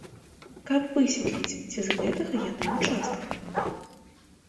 Каб высветліць, ці з гэтага яны ўчастка.